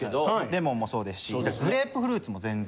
レモンもそうですしグレープフルーツも全然。